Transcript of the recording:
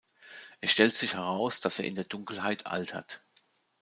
Es stellt sich heraus, dass er in der Dunkelheit altert.